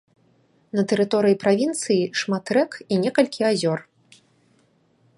На тэрыторыі правінцыі шмат рэк і некалькі азёр.